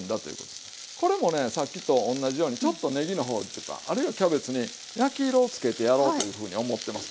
これもねさっきとおんなじようにちょっとねぎの方あるいはキャベツに焼き色をつけてやろうというふうに思ってます。